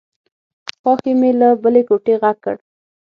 خواښې مې له بلې کوټې غږ کړ.